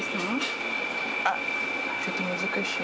あっ、ちょっと難しい。